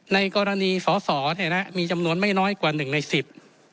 ในกรณีสอสอเนี่ยนะมีจำนวนไม่น้อยกว่าหนึ่งในสิบ